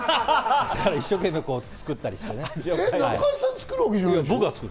一生懸命作ったりしてね。